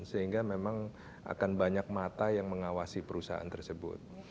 sehingga memang akan banyak mata yang mengawasi perusahaan tersebut